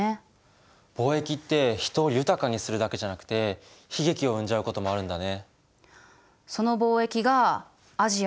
貿易って人を豊かにするだけじゃなくて悲劇を生んじゃうこともあるんだね。